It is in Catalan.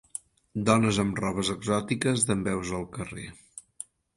Dones amb robes exòtiques dempeus al carrer